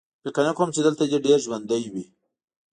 فکر نه کوم چې دلته دې ډېر ژوندي وو